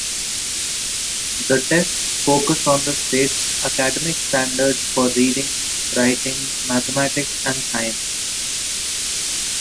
The tests focus on the state's Academic Standards for reading, writing, mathematics and science.